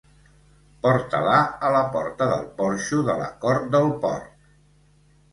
Porta-la a la porta del porxo de la cort del porc.